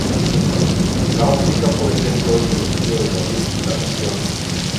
La "óptica", por ejemplo es el estudio de la luz y la visión.